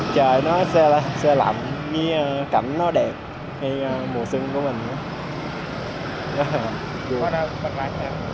trời nó sẽ lặn như cảm nó đẹp như mùa xuân của mình